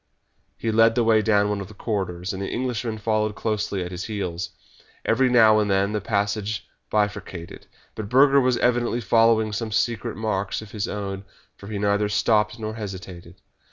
He led the way down one of the corridors, and the Englishman followed closely at his heels. Every now and then the passage bifurcated, but Burger was evidently following some secret marks of his own, for he neither stopped nor hesitated.